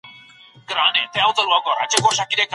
سياسي تېروتنې د عادي تېروتنو تر کچي زيات زيان رسوي.